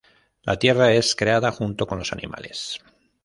La Tierra es creada, junto con los animales.